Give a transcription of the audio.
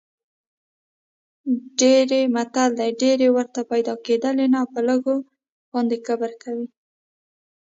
متل دی: ډېرې ورته پیدا کېدلې نه په لږو باندې کبر کوي.